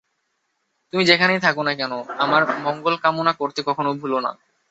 তুমি যেখানেই থাক না কেন, আমার মঙ্গলকামনা করতে কখনও ভুলো না।